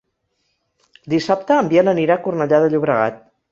Dissabte en Biel anirà a Cornellà de Llobregat.